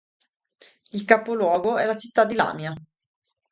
Il capoluogo è la città di Lamia.